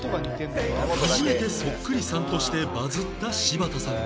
初めてそっくりさんとしてバズった柴田さん